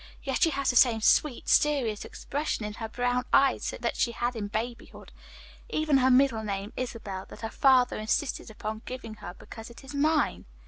Yet she has the same sweet, serious expression in her brown eyes that she had in babyhood. Even her middle name, Isabel, that her father insisted upon giving her because it is mine!"